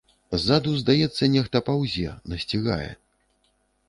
Ззаду, здаецца, нехта паўзе, насцігае.